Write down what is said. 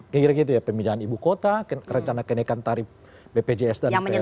kira kira gitu ya pemindahan ibu kota rencana kenaikan tarif bpjs dan pln